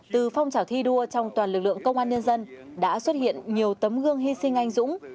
từ phong trào thi đua trong toàn lực lượng công an nhân dân đã xuất hiện nhiều tấm gương hy sinh anh dũng